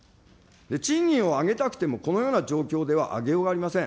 賃金を上げたくてもこのような状況では上げようがありません。